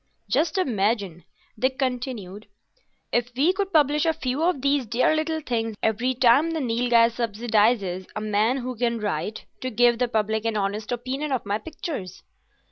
"Just imagine," Dick continued, "if we could publish a few of these dear little things every time the Nilghai subsidises a man who can write, to give the public an honest opinion of my pictures."